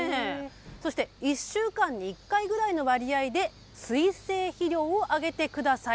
そして、１週間に１回ぐらいの割合で水性肥料をあげてください。